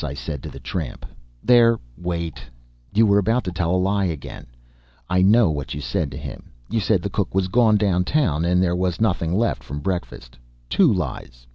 I said to the tramp " "There wait. You were about to lie again. I know what you said to him. You said the cook was gone down town and there was nothing left from breakfast. Two lies.